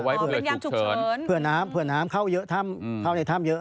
เหลือธรรมาณหล์น้ำเข้าในท่ามเยอะ